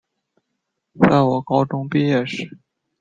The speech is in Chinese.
在我高中毕业时